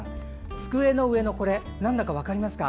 机の上のこれなんだか分かりますか？